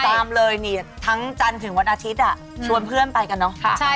ตามเลยนี่ทั้งจันทร์ถึงวันอาทิตย์ชวนเพื่อนไปกันเนอะ